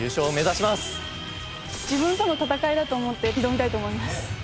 自分との戦いだと思って挑みたいと思います。